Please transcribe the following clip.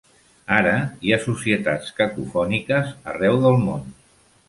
Ara hi ha societats cacofòniques arreu del món.